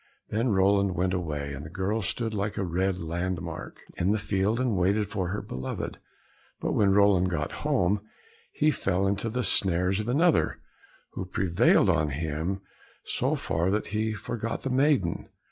Then Roland went away, and the girl stood like a red land mark in the field and waited for her beloved. But when Roland got home, he fell into the snares of another, who prevailed on him so far that he forgot the maiden.